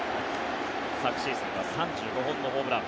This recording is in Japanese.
昨シーズンは３５本のホームラン。